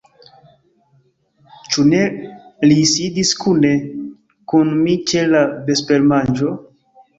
Ĉu ne li sidis kune kun mi ĉe la vespermanĝo?